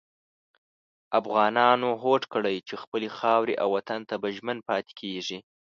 افغانانو هوډ کړی چې خپلې خاورې او وطن ته به ژمن پاتې کېږي.